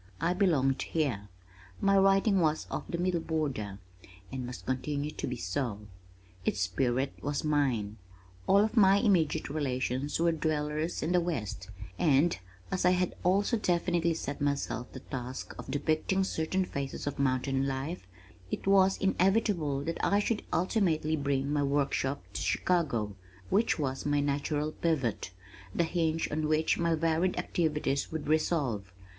I belonged here. My writing was of the Middle Border, and must continue to be so. Its spirit was mine. All of my immediate relations were dwellers in the west, and as I had also definitely set myself the task of depicting certain phases of mountain life, it was inevitable that I should ultimately bring my workshop to Chicago which was my natural pivot, the hinge on which my varied activities would revolve.